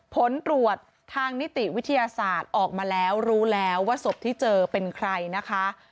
ผลตรวจทางนิติวิทยาศาสตร์ออกมาแล้วรู้แล้วว่าศพที่เจอเป็นใครนะคะ